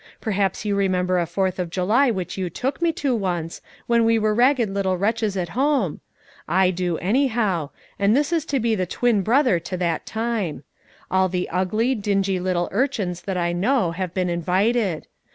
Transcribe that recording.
Perhaps you remember a Fourth of July which you took me to once, when we were ragged little wretches at home? I do, anyhow, and this is to be twin brother to that time. All the ugly, dingy little urchins that I know have been invited.